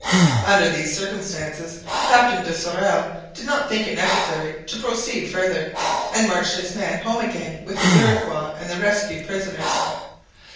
Under these circumstances Captain de Sorel did not think it necessary to proceed farther, and marched his men home again with the Iroquois and the rescued prisoners.